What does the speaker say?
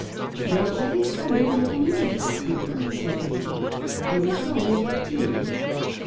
"Don't let his coming make any difference, mamma," said Rachel. "I will go and get tea."